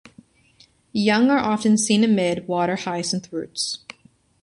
Young are often seen amid water hyacinth roots.